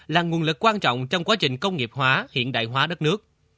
là nguồn lực quan trọng trong quá trình công nghiệp hóa hiện đại hóa đất nước